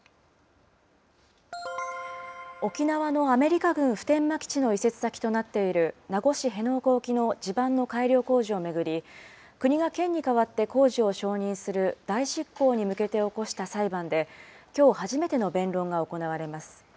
沖縄のアメリカ軍普天間基地の移設先となっている名護市辺野古沖の地盤の改良工事を巡り、国が県に代わって工事を承認する代執行に向けて起こした裁判で、きょう、初めての弁論が行われます。